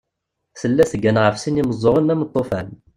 Tella teggan ɣef sin n yimeẓẓuɣen am lṭufan.